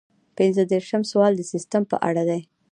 پنځه دېرشم سوال د سیسټم په اړه دی.